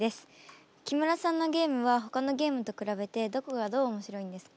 木村さんのゲームはほかのゲームと比べてどこがどう面白いんですか？